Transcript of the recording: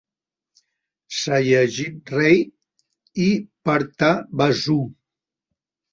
Satyajit Ray i Partha Basu.